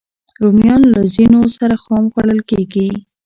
رومیان له ځینو سره خام خوړل کېږي